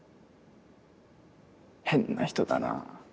変な人だなぁ。